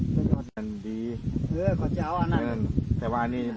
พี่สวัสดี